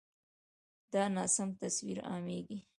دا ناسم تصویر عامېږي.